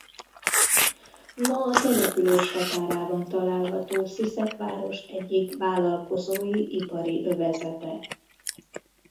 Ma a település határában található Sziszek város egyik vállalkozói ipari övezete.